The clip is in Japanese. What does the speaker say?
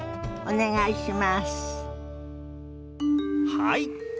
はい！